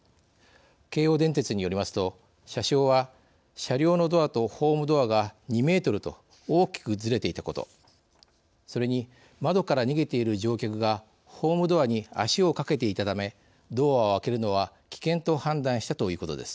京王電鉄によりますと車掌は車両のドアとホームドアが２メートルと大きくずれていたことそれに窓から逃げている乗客がホームドアに足を掛けていたためドアを開けるのは危険と判断したということです。